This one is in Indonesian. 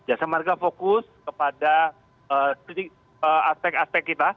jasa marga fokus kepada aspek aspek kita